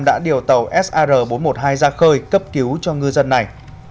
đã điều tàu sr bốn trăm một mươi hai ra khơi cấp cứu cho ngư dân này